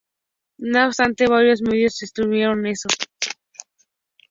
No obstante, varios medios desmintieron eso.